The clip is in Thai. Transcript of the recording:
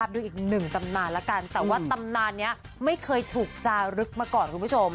ดูอีกหนึ่งตำนานแล้วกันแต่ว่าตำนานนี้ไม่เคยถูกจารึกมาก่อนคุณผู้ชม